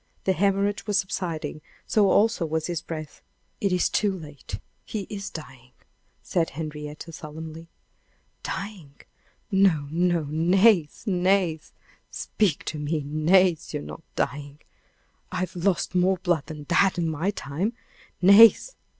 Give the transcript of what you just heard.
The hemorrhage was subsiding; so also was his breath. "It is too late; he is dying!" said Henrietta, solemnly. "Dying! No, no, Nace! Nace! speak to me! Nace! you're not dying! I've lost more blood than that in my time! Nace!